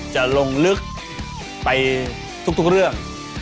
จะลงลึกไปทุกเรื่อง